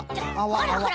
ほらほら